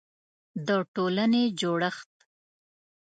د ټولنې جوړښت